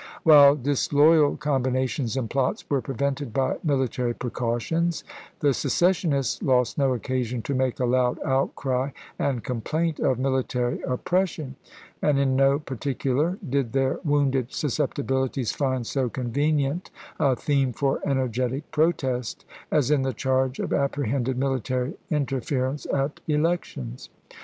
While disloyal combinations and plots were prevented by military precautions, the secessionists lost no occasion to make a loud outcry and complaint of military oppression, and in no particular did their wounded susceptibilities find so convenient a theme for energetic protest as in the charge of apprehended military interference at elections.